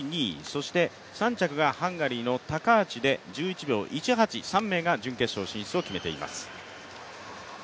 そして３着がハンガリーのタカーチで１１秒１８３名が準決勝進出を決めています。